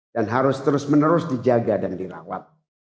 dan harus terus menerus dijaga dan dirawat